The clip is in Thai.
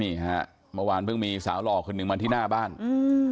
นี่ฮะเมื่อวานเพิ่งมีสาวหล่อคนหนึ่งมาที่หน้าบ้านอืม